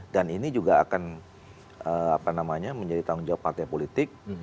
dan ini juga akan menjadi tanggung jawab partai politik